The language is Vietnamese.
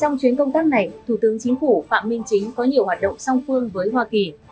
trong chuyến công tác này thủ tướng chính phủ phạm minh chính có nhiều hoạt động song phương với hoa kỳ